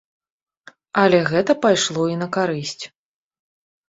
Але гэта пайшло і на карысць.